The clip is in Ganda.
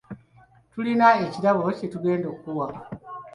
Tulina ekirabo kye tugenda okukuwa.